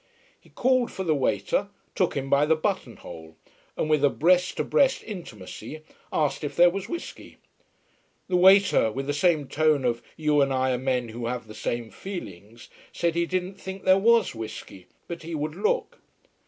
He called for the waiter, took him by the button hole, and with a breast to breast intimacy asked if there was whisky. The waiter, with the same tone of you and I are men who have the same feelings, said he didn't think there was whisky, but he would look.